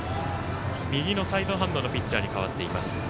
右のサイドハンドのピッチャーに代わっています。